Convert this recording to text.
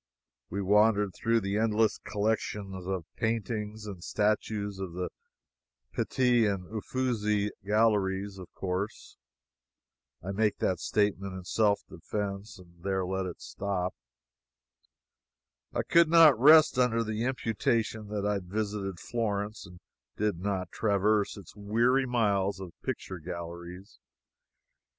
We wandered through the endless collections of paintings and statues of the Pitti and Ufizzi galleries, of course. I make that statement in self defense; there let it stop. I could not rest under the imputation that I visited Florence and did not traverse its weary miles of picture galleries.